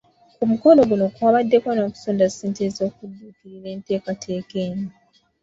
Ku mukolo guno kwabaddeko n’okusonda ssente ez’okudduukirira enteekateeka eno.